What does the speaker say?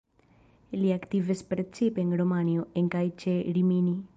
Li aktivis precipe en Romanjo, en kaj ĉe Rimini.